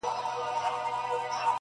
له عطاره یې عطرونه رانیوله-